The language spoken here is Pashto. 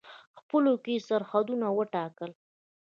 خپلو کې یې سرحدونه وټاکل.